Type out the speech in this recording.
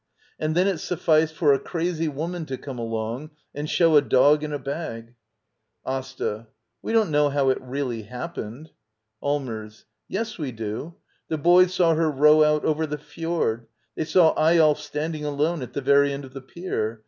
And then it sufficed for a crazy woman to come along « n; and show a dog^iaa bag — AsTA. We don't know how it really happened. Allmers. Yes, we do. The boys saw her row out over the fjord. They saw Eyolf standing alone at the very end of the pier.